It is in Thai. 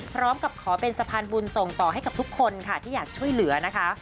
พร้อมกับขอเป็นสะพานบุญส่งต่อให้กับทุกคนค่ะที่อยากช่วยเหลือนะคะ